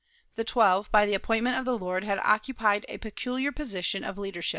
The twelve by the appointment of the Lord had occupied a peculiar position of leadership.